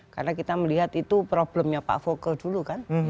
karena kita melihat itu problemnya pak fokke dulu kan